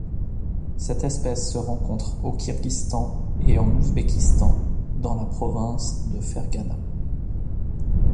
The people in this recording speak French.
Cette espèce se rencontre au Kirghizistan et en Ouzbékistan dans la province de Ferghana.